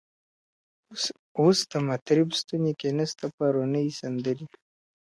اوس د مطرب ستوني کي نسته پرونۍ سندري.